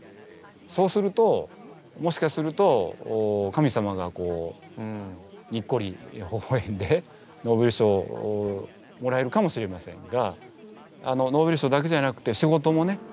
そうするともしかすると神様がにっこりほほえんでノーベル賞をもらえるかもしれませんがノーベル賞だけじゃなくて仕事もね